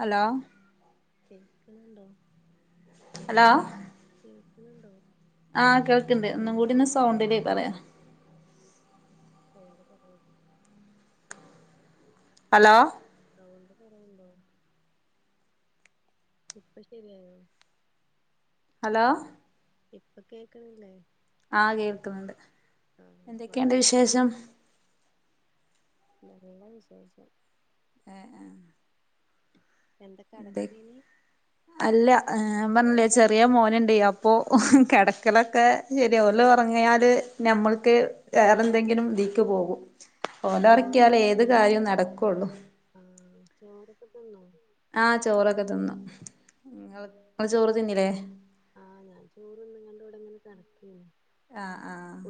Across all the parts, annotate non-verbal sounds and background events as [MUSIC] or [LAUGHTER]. Hello കേക്ക്ണുണ്ടൊ hello കേക്ക്ണുണ്ടോ ആഹ് കേൾക്ക്ണ്ട് ഒന്നും കൂടിന്ന് സൗണ്ടിന് പറ എന്ത പറയാ ഹലോ സൗണ്ട് കുറവുണ്ടോ ഇപ്പ ശെരിയായോ ഹലോ ഇപ്പൊ കേക്കണില്ലേ ആഹ് കേൾക്ക്ന്ന്ണ്ട് ആ എന്തൊക്കെയുണ്ട് ഭക്ഷണൊക്കെ ആയി വിശേഷം നല്ല വിശേഷം ഏഹ് ആഹ് എന്താ ന്തെ കെടക്കേനി അല്ല ഏഹ് ഞാപറഞ്ഞില്ലേ ചെറിയ മോനുണ്ട് അപ്പൊ കിടക്കലൊക്കെ ശരിയ ഒല്ഉറങ്ങിയാല് ഞമ്മൾക്ക് വേറെ എന്തെങ്കിലു ദീക്ക് പോകും ഓലൊക്കിയാല ചോറൊക്കെ തി ഏത് കാര്യം നടക്കുള്ളൂ ആ ചോറൊക്കെ തിന്നോ ആഹ് ചോറൊക്കെ തിന്നു ഇങ്ങള് ചോറ് തിന്നില്ലേ ആ ആഹ് ഞാൻ ചോറ്ന്ന്ങ്കാണ്ട് ഇവീടിങ്ങനെ [INAUDIBLE] ആഹ് ആഹ്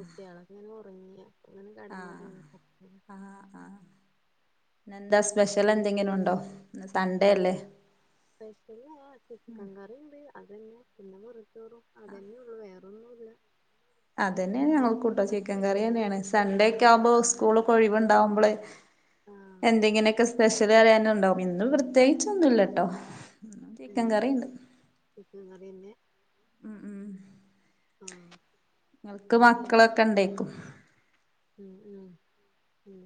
ഒങ്ങിയോ ആഹ് ആ ആ ഇന്നെന്താ സ്പെഷ്യൽ എന്തെങ്കിലു ഉണ്ടോ ഇന്ന് സൺഡേ ഓ അല്ലേ സ്പെഷ്യലാ ചിക്കൻ കറിയിണ്ട് അതന്നെ പിന്നെ വെറുംച്ചോറും അതന്നെയുള്ളൂ വേറൊന്നുല്ല അതെന്നെയാണ് ഞങ്ങൾക്കുട്ടൊ അനക്കെന്താ ചിക്കൻ സ്പെഷ്യല് കറിന്നെയാണ് സൺഡേക്കെയാവുമ്പോ സ്കൂൾ ഒഴിവുണ്ടാവുമ്പോളെ ആ എന്തെങ്ങനെയൊക്കെ സ്പെ സ്പെഷ്യലറിയാന് ഉണ്ടാവും ഇന്ന് പ്രത്യേകിച്ചൊന്നുല്ലാട്ടോ ഉം ചിക്കൻ കറിന്നെ മ് മ് ആഹ്‌ ങ്ങൾക്ക് മക്കളൊക്കെ ഉണ്ടേക്കും ഉം ഉം ഉം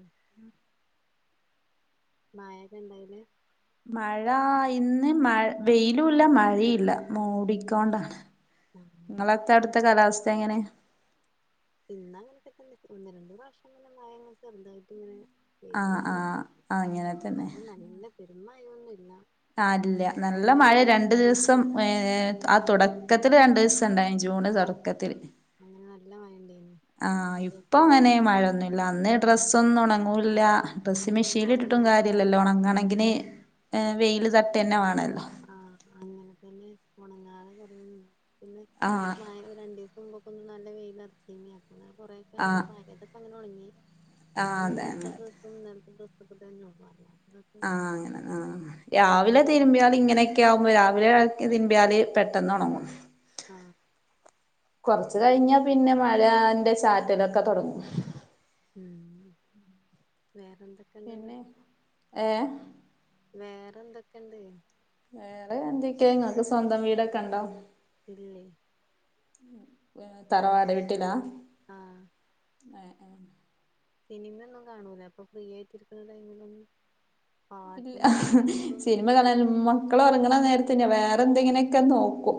[UNINTELLIGIBLE] മഴ ഇന്ന് മഴ വെയിലുല്ല മഴയില്ല മൂടിക്കൊണ്ട ആഹ് നിങ്ങളത്തെ അവിടുത്ത കാലാവസ്ഥ സ്ഥ എങ്ങനെ ഇന്ന അങ്ങനത്തെക്കെ ഒന്ന് രണ്ടു പ്രാഷംന്നെ മയ ചെറുതായിട്ട് ഇങ്ങനെ ആ പെയ്തീനി ആ ആ ഇങ്ങനെ തന്നെ പിന്നൊന്നുല്ല ആല്ല നല്ല മഴ രണ്ടു ദിവസം ഏ ആ തുട ക്കത്തില് രണ്ട് ദിവസം ഉണ്ട ജൂണ് ആഹ് തൊടക്കത്തില് ആഹ് അങ്ങനെ നല്ല മയണ്ടെയിന്നു ആഹ ഇപ്പൊ അങ്ങനെ മഴയൊന്നുല്ല അന്ന് ഡ്രസ്സൊന്നും ഒണങ്ങൂല്ല ആഹ് ഡ്രസ് അയിലൊന്നും മെഷീനിലിട്ടിട്ടും തോരടാൻ കാര്യല്ലല്ലോ സ്ഥലല്ല ഒണങ്ങണെങ്കിന് വെയിൽ തട്ടെന്നെ വാണല്ലോ ആ അങ്ങനെ തന്നെ പോ പിന്നെ ആഹ് മയ രണ്ടു ദിവസം മുമ്പ അപ്പൊ നല്ല വെയിയിലറച്ച ആഹ് [UNINTELLIGIBLE] ഒണങ്ങി ആഹ് അതെ അങ്ങനെ [UNINTELLIGIBLE] [UNINTELLIGIBLE] ആ അങ്ങനെ ആ രാവിലെ തിരുമ്പ്യാല് ഇങ്ങനെ നൊക്കെ ആകുമ്പോ രാവിലെ തിരുമ്പ്യാല് പെട്ടെന്ന് ഒണങ്ങും ആ കൊറച്ച് കഴിഞ്ഞാ പിന്നെ മഴന്റെ ചാറ്റലൊക്കെ തൊടങ്ങും ഉം വേറെന്തൊക്കെണ്ട്ന്ന് പിന്നെ ഏ വേറെ എന്തൊക്കെണ്ട് വേറെ എന്തൊക്കെ ഇങ്ങക്ക് സ്വന്തം വീടൊക്കെണ്ടോ ഇല്ലേ [INAUDIBLE] തറവാ തറവാട് വീട്ടിലാ ആഹ് ഏ സിനിമയൊന്നും കാണൂല അപ്പൊ ഫ്രീ ആയിട്ടിരിക്കുന്ന ടൈമിലൊന്നും ഇല്ല പാട്ടും അങ്ങനത്തൊന്നും അങ്ങനത്തെ ഒന്നും ഒരു- സിനിമ കാണാന് അങ്ങനത്തെ ഒന്നും മക്കള് ഇല്ല. ഒറങ്ണ നേരത്ത് വേറെ എന്തെങ്ങനെ ക്കെ നോക്കും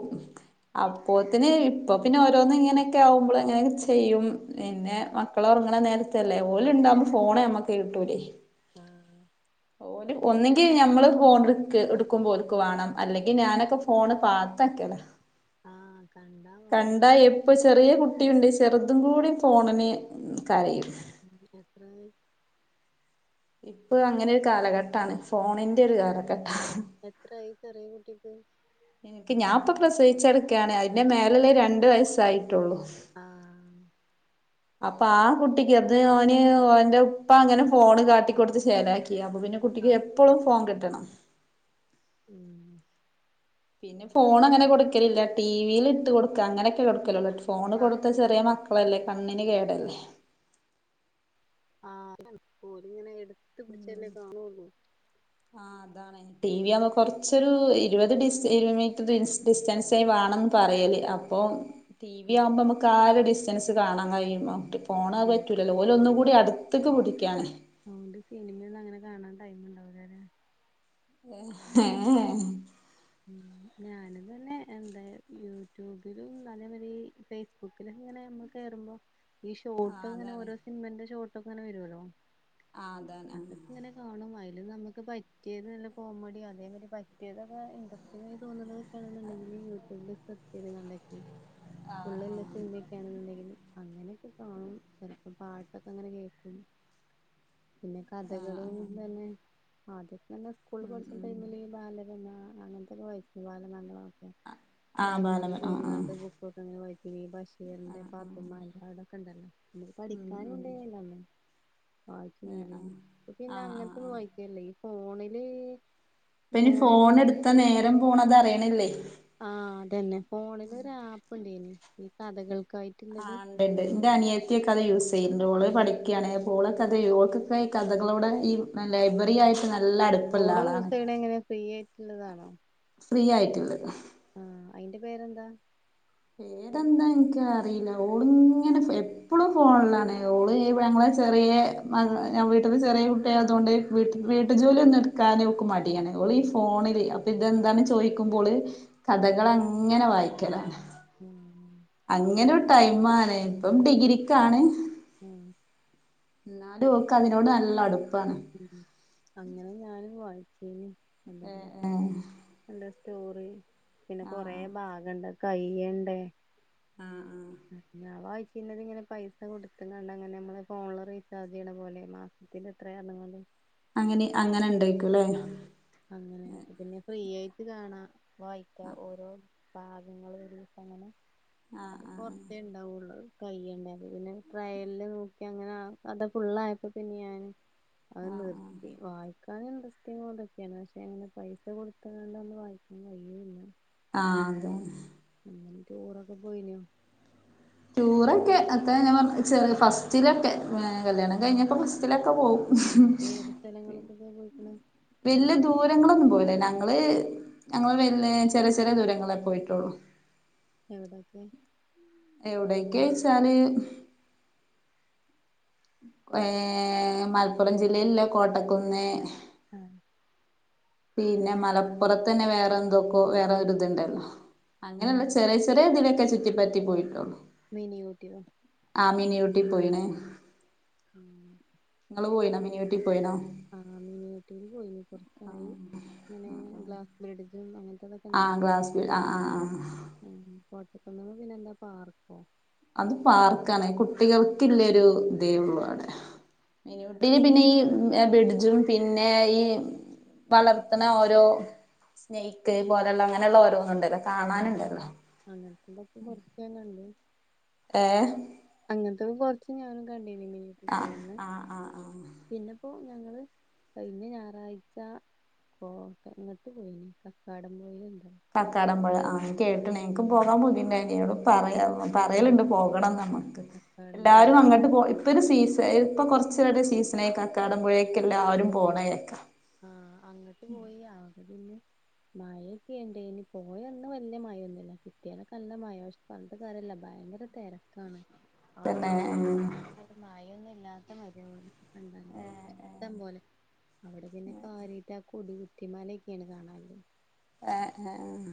എന്ത് അപ്പോത്തിന് ഇപ്പൊ പിന്നെ [UNINTELLIGIBLE] ഇങ്ങനെക്കെ ആവുമ്പ്ള് അങ്ങനൊക്കെ ചെയ്യും പിന്നെ മക്കളൊറങ്ങണ നേരത്തെല്ലേ ഓല് ഇണ്ടാവുമ്പോ ഫോണ് നമ്മക്ക് കിട്ടൂലേ ആഹ് ഓര് ഒന്നെങ്കി ഞമ്മള് ഫോൺ എടുക്ക് എടുക്കുമ്പോ ഓരുക്ക് വേണം അല്ലെങ്കീ ഞാനൊക്കെ ഫോണ് പാത്താക്കല് ആഹ് കണ്ടാ വാണ്ടേ കണ്ടാ എപ്പൊ ചെറിയ കുട്ടിയുണ്ട്ച് ചെറുതും കൂടി ഫോണിന് കരയും എത്രായി ഇപ്പൊ അങ്ങനെ ഒരു കാലഘട്ടാണ് ഫോണിന്റെ ഒരു കാലം കാലഘട്ടം എത്രായി ചെറിയ കുട്ടിക്ക് എനിക്ക് ഞാപ്പൊ പ്രസവിച്ചേടക്കയാണ് അയിന്റെ മേലില് രണ്ടു വയസ്സായി ട്ടുള്ളൂ ആഹ് അപ്പാ ആ കുട്ടിക്ക് അത് ഓന്റെ ഉപ്പ അങ്ങനെ ഫോണ് കാട്ടിക്കൊടുത്ത് ശേലാക്കി യപ്പപ്പിന്നെ കുട്ടക്ക് ആഹ് എപ്പളും ഫോൺ കിട്ടണം ട്ടണം ഊ പിന്നെ ഫോണങ്ങനെ കൊടുക്കലില്ല ടീവീലിട്ട് കൊടുക്കാ അങ്ങനെയൊക്കെ കൊടുക്കലൊള്ളു ഫോണ് കൊടുത്ത കാർട്ടൂണൊക്കെ ചെറിയ കൊടുത്തേ മക്കളല്ലേ കണ്ണിന് ടിവിയില് കേടല്ലേ ആ പൊടീങ്ങനെ എടുത് [UNINTELLIGIBLE] ഉം ആ അതാണെ ടി വി ആവുമ്പോ കൊറച്ചൊരു ഇരുപത് ഡിസ്റ്റ് ഇരുപത് മീറ്റർ ഡിസ്റ്റ് ഡിസ്റ്റൻസായി വേണംമെന്ന് പറയല് അപ്പോ ടിവി ആമ്പോമ്മക്ക് ആ ഒര് ഡിസ്റ്റൻസ് കാണാൻ കഴിയും [UNINTELLIGIBLE] ഫോണാ ഉം വെക്കൂലല്ലോ ഓലൊന്നും കൂടി വ്ടെ അടുത്ത്ക്ക് പുടിക്കയാണ് നീ ആ ഒണ്ട് സിനിമേഒന്നും അങ്ങനെ കാണാൻ ടൈം ഉണ്ടാവൂലല്ലേ ഏ എ ഏ ഞാനും തന്നെ എന്താ യൂട്യൂബിലും നല്ല മനേ ഫേസ്ബുക്കിലും എങ്ങനെ നമ്മൾ കേറുമ്പോ ഈ ആഹ് ഷോട്ട്ങ്ങനെ ഓരോ സിനിമന്റെ ഷോട്ട് പ്പങ്ങനെ വരുവല്ലോ ആ അതാനെ അതൊക്കെ ഇങ്ങനെ കാണും അതില് നമുക്ക് പറ്റിയത് നല്ല കോമഡിയാ അതേ പറ്റിയതക്കെ എന്ത പിന്നെ തോന്നുന്നത്കാണെന്നുണ്ടെങ്കി യൂട്യൂബിൽ സെർച്ച് ചെയ്ത് കണ്ടക്കെ ആഹ് ഫുള്ളല്ല ആഹ് സിനിൻമക്കെയാണുണ്ടെങ്കിൽ അങ്ങനെക്കെ കാണും ചെലപ്പോം പാട്ടൊക്കെ അങ്ങനെ കേക്കും പിന്നെ ആഹ് ആഹ് കഥകളും ആഹ് തന്നെ അതെ എന്ന ഉം സ്കൂൾല് ഉം ടൈമില് ബാൽരമ ഞാങ്കണ്ട് അങ്ങനത്തെ ഒക്കെ വായിക്കും ബാല മംഗളം ഒക്കെ ആഹ് ലൈബ്രറിയിൽ ബാലമ ആഹ് ആഹ് പോയിുന്നട്ട് ബുക്കൊക്കെ വായി പി ബസ് എന്റെ ആഹ് ആഹ് പാപ്പമാന്റെ ടെ ക്കണ്ടല്ലോ നമുക്ക് ഉം പഠിക്കാനും ഉം ഇണ്ട് ല്ലമ്മ വായിച്ചു ഏഹ് ചെയ്തീനി ആഹ് പിന്നെ ആഹ് ആഹ് അങ്ങനത്തെൊന്ന് ആഹ് വയിക്കല്ലേ ഇയ്യ് ഫോണില് ഇപ്പ ഇനി ഫോണില് ഫോൺ എടുത്ത നേരം പോണത് അറിയിണില്ലേ ആഹ് അതന്നെ ഫോണിൽ ഒര് ആ പ്പ് ഇണ്ടെയ്നി ഈ കഥകൾ ക്കായിട്ട് ഇള്ളെത് ആഹ് ഇണ്ട്ണ്ട് ഇന്റെ അനിയെത്തി ഒക്കെ അത് യൂസ് ചെയ്യ്ണ്ട് ഓൾ പഠിക്ക്യാണ് ഓൾ ഒക്കെ അതെയ് ഓൾ ക്കൊക്കെയ് ഈ കഥകളോട് ഈ ന്നാ ലൈബ്രറി ആയി ട്ട് നല്ല അട്പ്പ ഇള്ള ആളാ ട്ട് ഇള്ളതാണോ? ഫ്രീ ആയിട്ട് ഇള്ളെതാ ആഹ് അയിന്റെ പേര് എന്താ? പേര് എന്താ ഇൻക്ക് അറീലാ ഓൾ ഇങ്ങെനെ എപ്പെളും ഫോണ്ലാണ് ഓൾ ഞങ്ങെളെ ചെറിയ മകളാ വീട്ട്ത്തെ ചെറിയ കുട്ടി ആയതോണ്ട് വീട്ട് വീട്ടു ജോലി ഒന്നും ഇട് ക്കാന് ഓക്ക് മടിയാണ് ഓൾ ഈ ഫോണിൽ അപ്പ ഇതെന്താണ് ചോയിക്കുമ്പോ ഓൾ കഥകൾ അങ്ങെനെ വായിക്കെലാ ആഹ് അങ്ങനെ ഒര് ടൈം ആണ് ഇപ്പം ഡിഗ്രിക്കാണ് ഉം ഇന്നാലും ഓക്ക് അതിനോട് നല്ല അടു ഉം അങ്ങനെ ഞാനും വായി ച്ചിനി ഏ കണ്ട്ക്ക്ണ് ഏ ഇങ്ങെനെ രണ്ടുസ് പിന്നെ കൊറെ ആഹ് ഭാഗം ഇണ്ട് അത് കൈ്യണ്ടേ ആഹ് ആഹ് ഇ [UNINTELLIGIBLE] ന്നാ [UNINTELLIGIBLE] അവായി പിന്നെ തിങ്ങെനെ പൈസ കൊട്ത്ത്കാണ്ട് അങ്ങനെ നമ്മള് ഫോണില് റീചാർജ് ചെയ്യണ പോലെ മാസത്തില് ത്രേ അന്ന്ങ്ങാണ്ട് അങ്ങനെ അങ്ങനെ ഇണ്ട് അഹ് അങ്ങനെ അപ്പ പിന്നെ ഫ്രീ ഏയിട്ട് ഇത് കാണാ വായിക്ക ഓരോ ഭാഗങ്ങളു ഒരിസങ്ങനെ ആഹ് അത് ആഹ് കൊറത്തേ ഇണ്ടാവൊള്ളു കയ്യുണ്ടായി പിന്നെ ട്രയലില് നോക്കി അങ്ങനെ അഅത ഫുള്ളയപ്പോ പിന്നെ ഞാൻ അത് നിർത്തി വായിക് [UNINTELLIGIBLE] [UNINTELLIGIBLE] പക്ഷെ അങ്ങനെ പൈസ കൊടുത്തണ്ട് നമ്മള് വായിക്കാൻ കഴിയല്ല ആ ഉം അ ചോറൊക്കെ പോയിനൊ ടൂറൊക്കെ അത്ര ഞാൻ പറ ചെ ഫസ്റ്റിലൊക്കെ ങഅ കല്യാണം കഴിഞ്ഞപ്പോ ഫസ്റ്റിലക്കെ ക്കപോവും ആഹ് ഏത് സ്ഥലങ്ങൾക്കൊക്കെ പോയിക്ക്ണ് [UNINTELLIGIBLE] വലിയ എവിടെ ദൂരങ്ങളൊന്നും പോയില്ല നങ് ഞങ്ങള് ഞങ്ങള് വല ചെറിയ ചെറിയ ദൂരങ്ങളെ പോയിട്ടുള്ളു എവിടൊക്കെ എവിടെൊക്കെ വെച്ചാല് ഏഹ മലപ്പുറം ജില്ല ലുള്ള കോട്ടക്കുന്നേൽ ങഹ പിന്നെ മലപ്പുറത്ത തന്നെ വേറെ എന്തോക്കോ വേറെ ഒരു ഇതുണ്ടല്ലോ അങ്ങനെയുള്ള ചെറിയ ചെറിയ ഇതിലൊക്കെ ചുറ്റിപ്പറ്റി പോയിട്ടുള്ളു രീനി യൂറ്റിവാ ആമീനി ഊട്ടി പോയിണ ങആ പോയി ഊട്ടി പോയിണോ [UNINTELLIGIBLE] ഇരികൊറച്ചായി അങ്ങനെ ഗ്ലാസ് ബയ്ഡ് ഉം അങ്ങനെ ആഹ ഗ്ലാസ് ബിൾ ആഹ ആഹ ആഹ [UNINTELLIGIBLE] പിന്നെ എന്താ പാർക്കോ അത് പാർക്കാണ് കുട്ടികൾക്കില്ലേ ഒരു ഇതേ ഉള്ളൂ [UNINTELLIGIBLE] ടീ പിന്നെ ഈ ബെഡജും പിന്നെ ഈ വളർത്തണ ഓരോ സ്നേക്ക് പോലെയുള്ള അങ്ങനെയുള്ള ഓരോന്നുംണ്ടല്ല ആഹ് അങ്ങനത്തെനാത്ത് കൊറച്ച് ഞാൻ കണ്ട്. ഏ അത് കുറച്ച് ഞാനും കണ്ടി ങങഹ ആഹ ആഹ ആഹ പിന്നെപ്പോ ഞങ്ങള് കഴഞ്ഞ ഞായറാഴ്ച പോക നിർത്തിപോയിനി കക്കാടം [UNINTELLIGIBLE] കക്കാടമ്പഴ ആ കേട്ടണ എനക്ക് പോകാൻ പൂതിയുണ്ടായി നിയുള്ളു ആഹ് തറയ പറയലുണ്ട് പോ ഇവിടംകാണണം. കക്കാടം എല്ലാരും പൊയിൽക്ക് അങ്ങട്ട് പോ ഇപ്പൊ ഒരു സിസി തേൽക്കം കുറച്ച് വര്ടെ സീസണ അക്കാടംമ്പുഴൊക്കെല്ലാരും പോണ കേക്കാം. ആഹ അങ്ങോട്ട് പോയി [UNINTELLIGIBLE] പിന്നെ മഴൊക്കെ ഇണ്ട് ഇനി പോയ ഇന്ന് വരില്ല മഴൊന്നുമില്ല കിട്ടിയനൊക്കെ നല്ല മഴശ പറഞ്ഞ കറല്ല ഭയങ്കര തിരക്കാണ് പിന്നെ ആൾക്കാരൊക്കെ [UNINTELLIGIBLE] മഴയൊന്നുംല്ലാ [UNINTELLIGIBLE] കണ്ടാല് ഇഷ്‌ടംപോലെ അവിടെ പിന്നെ കാര്യയ്ക്ക കുടുങ്ങി. തിമാലൊക്കെയാണ് കാണാൻ. ആഹ്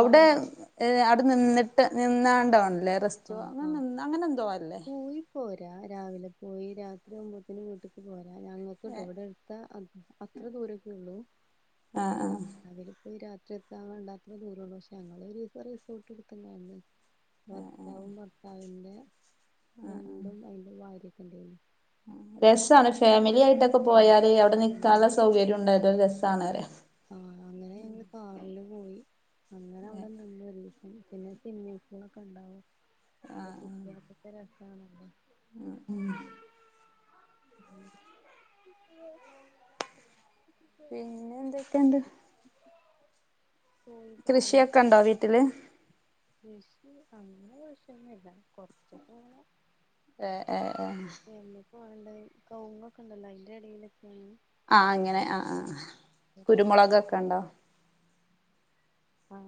നമ്മള് നട അവിടെ നിന്ന് ട്ട് നിന്നാണ്ട ഉണ്ട് ല്ലറസ്റ്റോ ആഹ് അങ്ങന അങ്ങനെ എന്തോ അല്ലേ. രാ രാവിലെ പോയി രാത്രി ആവുമ്പോത്തന് വീട്ടിലക്ക് പോയ അ ഞങ്ങൾക്ക് ട്ടോ ഏ ഇവിടെ എടുത്ത അത്ര ദൂരൊക്കെ ഉള്ളൂ ആ ആ അതില പോയി രാ ഇഷ എത്താൻ വേണ്ടത്ര ദൂരമുള്ളൂ പക്ഷെ ഞങ്ങൾ റിസോർട്ട് കൊടുക്കണ്ടായിരുന്നു. ആ പിന്നെ ആ രണ്ടും അതിന്റെ വാ എണ്ട രസാണ് ഫാമിലി ആയി ട്ടോക്കെ ആഹ് പോയാല് അവിടെ നിൽക്കാനുള്ള സൗകര്യം ഉണ്ടായ രസ് തണേ ആഹ അങ്ങനെ ഞങ്ങ കാണലും പോയി അങ്ങനെ അവിടെന്നണ്ട പിന്നെ സിനമസുകളൊക്കെ ഉണ്ടാവോ അ പച്ചയാ ആണല്ലേ ഉ ഉം ഉ പിന്നെ എന്തൊക്ക എന്ത് പോയി പോന്നു കൃഷിയൊക്കെ ഉണ്ടോ വീട്ടില് കൃഷി അങ്ങനെ വിശന്നല്ല കൊച്ച പോണ ഏഹ് ഹ ഏഹ് ആണ്ടത് കങ്ങൊക്കെ ഉണ്ടല്ലോ അതിന്റെ ഇടയിലൊക്കെയാണ് ആഹ് അങ്ങനെ ആഹ് ആഹ് കൊറച്ച് കുരുമുളകൊക്കെ ഉണ്ടോ ആ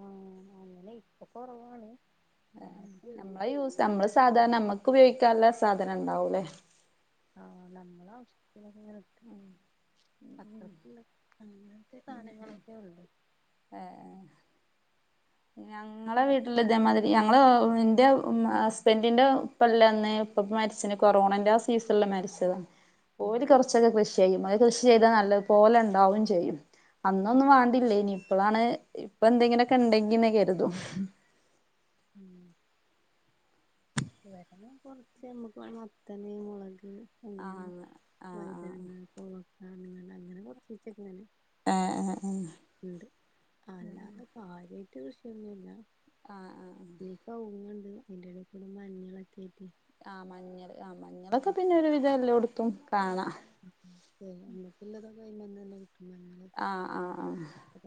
അങ്ങനെ ഇപ്പ കൊറവാണ്. ആഹ് നമ്മളെ യൂസ് നമ്മള് സാധാരണ നമ്മക്കുപയോഗിക്കാൻള്ള സ സാധനം ഇണ്ടാവുല്ലേ ആ നമ്മളാവിശ് ങ്ങൾക് അത്രക്ക്ള്ള അങ്ങനത്തെ സാനങ്ങളൊക്കെ ഒള്ളു ഏഹ് ഞങ്ങളെ വീട്ടിലിതേമാതിരി ഞങ്ങള് എന്റെ ഹസ്ബൻഡിന്റെ ഉപ്പെല്ലന്ന് ഉപ്പ പ്പംമരിച്ചിണ് കൊറോണന്റെ ആ സീസണില് മരിച്ചതാ ഉം ഓര് കൊറച്ചൊക്കെ കൃഷ് ചെയ്യും അത് കൃഷി ചെയ്താൽ നല്ലതുപോലെ ഉണ്ടാവേം ചെയ്യും അന്നൊന്നും വാണ്ടില്ലേനി ഇപ്പോളാണെ ഇപ്പൊന്തെങ്കിലൊക്കെണ്ടെങ്കി ങ്ങനെ കരുതും ഉം വടെന്നെ കൊറച്ച് നമ്മക്ക് വേ മത്തന് മൊളക് ഉം ആഹ് ആഹ് ആഹ് വഴ്തനങ്ങ കോവ [UNINTELLIGIBLE] അങ്ങനെ കൊറച്ചീച്ചക്കങ്ങനെ ആ ആ ഉണ്ട് അല്ലാതെ കാര്യായ് കൃഷി ഒന്നുല്ല ആ ആ ആ അതിന്റെടേക്കൂടെ മഞ്ഞളൊക്കെയിട്ട് ആ മഞ്ഞള് ആ മഞ്ഞളൊക്കെ പിന്നെ ഒരു വിധം എല്ലോട് ത്തും [UNINTELLIGIBLE] പിന്നത് [UNINTELLIGIBLE] ആ ആ ആ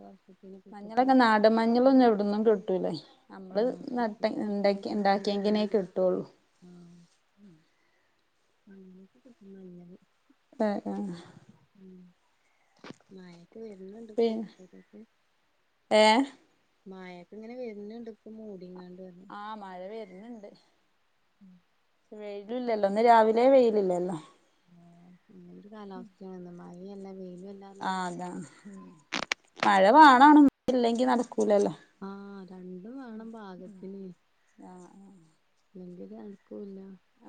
വർഷത്തിന് പിറ്റത്തെ മഞ്ഞളൊക്കെ വർഷം നാടൻ മഞ്ഞളൊന്നും പിന്നെ എവിട്ന്നും കിട്ടൂല്ല നമ്മള് ആഹ് നട്ട് പിറ്റത്തെ ണ്ടാക്കി വർഷാവുമ്പോത്തിന് പിന്നിം ണ്ടാക്കിയെങ്കിലെന്നെ ഇണ്ടാവും കിട്ടൊള്ളു അങ്ങനൊക്കെ കിട്ടും മഞ്ഞള് ആ ആ മഴ ത് വര്ണ് ണ്ട്പ്പോ [UNINTELLIGIBLE] ഏഹ് മഴക്കിങ്ങനെ വരുന്നിണ്ട് ഇപ്പം മൂടിങ്ങാ ആ മഴവര് ന്ന്ണ്ട് മ് വെയിലില്ലല്ലോ ഇന്ന് രാവിലെ വെയിലില്ലല്ലോ നല്ലൊരു കാലാവെസ്ഥയാണ് മഴ [UNINTELLIGIBLE] ആഹ് അതാ മഴ മാണാണും ഇല്ലെങ്കിൽ നടക്കും ആഹ് രണ്ടും വേണം പാകത്തിന് ആഹ് ഇല്ലെങ്കി ഒരൻ ക്കൂല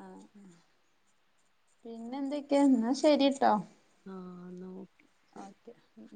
ആഹ് പിന്നെ എന്തൊക്കെ ഇന്നാ ശെരിട്ടോ ആഹ് ന്നാ ഓക്കെ ശെരി ഓക്കെ